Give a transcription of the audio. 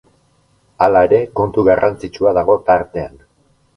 Hala ere, kontu garrantzitsua dago tartean.